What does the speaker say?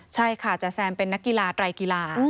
ใช่ค่ะจ๋าแซมเป็นนักกีฬาไตรกีฬา